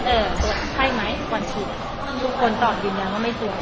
เอิ่มใช่ไหมวันผิดคนตอบยังไม่จวน